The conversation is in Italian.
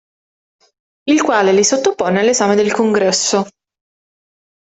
Il quale li sottopone all'esame del Congresso.